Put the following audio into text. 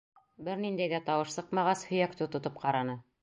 Бер ниндәй ҙә тауыш сыҡмағас, һөйәкте тотоп ҡараны.